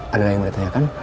ada yang mau ditanyakan